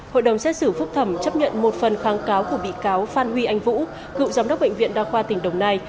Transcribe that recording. hội đồng xét xử phúc thẩm chấp nhận một phần kháng cáo của bị cáo phan huy anh vũ cựu giám đốc bệnh viện đa khoa tỉnh đồng nai